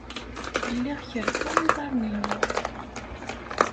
Lliɣ kerrfeɣ iḍarren-inu.